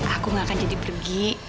aku gak akan jadi pergi